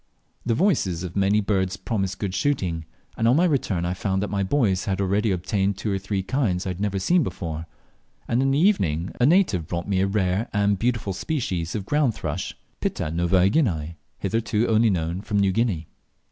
The voices of many birds promised good shooting, and on my return I found that my boys had already obtained two or three kinds I had not seen before; and in the evening a native brought me a rare and beautiful species of ground thrush (Pitta novaeguinaeae) hitherto only known from New Guinea.